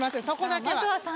そこだけは。